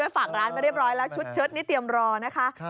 ด้วยฝากร้านไปเรียบร้อยแล้วชุดนี้เตรียมรอนะคะ